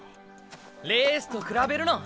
レースと比べるな。